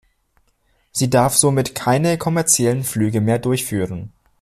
Sie darf somit keine kommerziellen Flüge mehr durchführen.